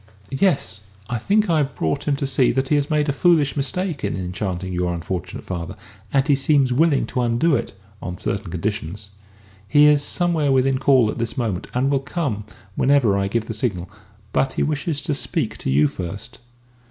"Yes. I think I have brought him to see that he has made a foolish mistake in enchanting your unfortunate father, and he seems willing to undo it on certain conditions. He is somewhere within call at this moment, and will come in whenever I give the signal. But he wishes to speak to you first."